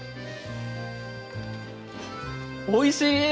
おいしい！